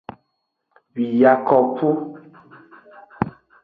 Biakopo.